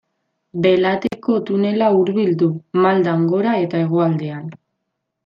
Belateko tunela hurbil du, maldan gora eta hegoaldean.